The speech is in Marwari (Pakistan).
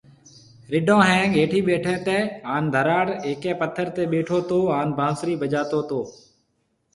رڍون ۿينگ هيٺي ٻيٺي تي هان ڌراڙ هيڪي پٿر تي ٻيٺو تو هان بانسري بجاتو تو